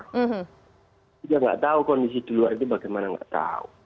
kita nggak tahu kondisi di luar itu bagaimana nggak tahu